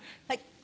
はい。